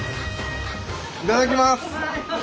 いただきます。